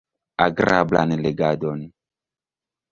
Agrablan legadon!